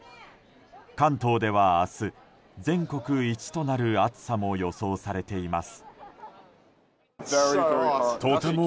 関東では明日全国一となる暑さも予想されています。